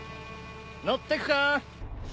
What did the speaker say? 乗ってくか？